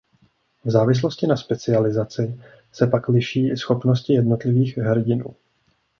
V závislosti na specializaci se pak liší i schopnosti jednotlivých hrdinů.